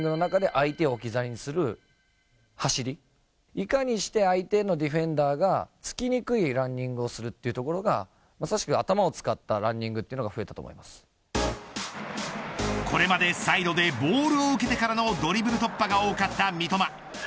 いかにして相手のディフェンダーがつきにくいランニングをするかというところがまさしく頭を使ったこれまでサイドでボールを受けてからのドリブル突破が多かった三笘。